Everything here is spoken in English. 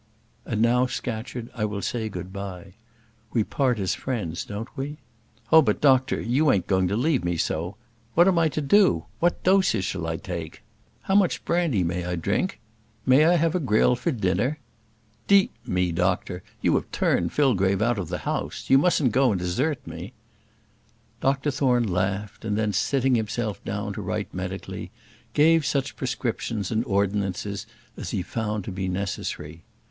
"And now, Scatcherd, I will say good bye. We part as friends, don't we?" "Oh, but doctor, you ain't going to leave me so. What am I to do? What doses shall I take? How much brandy may I drink? May I have a grill for dinner? D me, doctor, you have turned Fillgrave out of the house. You mustn't go and desert me." Dr Thorne laughed, and then, sitting himself down to write medically, gave such prescriptions and ordinances as he found to be necessary.